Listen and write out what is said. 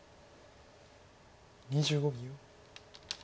２５秒。